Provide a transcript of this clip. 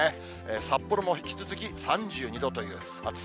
札幌も引き続き３２度という暑さ。